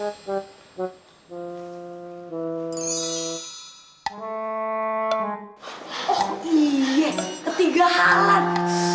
oh iya ketinggalan